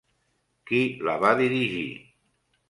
Qui la va dirigir?